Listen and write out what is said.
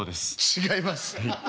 違います。